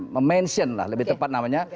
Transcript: memention lah lebih tepat namanya